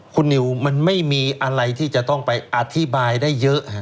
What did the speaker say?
คุณนิวมันไม่มีอะไรที่จะต้องไปอธิบายได้เยอะ